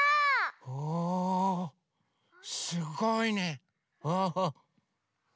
おすごいね。